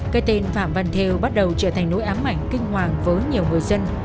cái tên phạm văn theo bắt đầu trở thành nỗi ám ảnh kinh hoàng với nhiều người dân